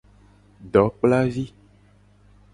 Dokplavi.